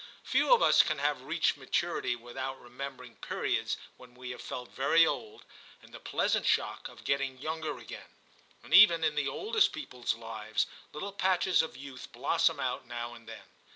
Few of us can have reached maturity without remembering periods when we have felt very old, and the pleasant shock of getting younger again; and even in the oldest people's lives, little patches of youth blossom out now and then.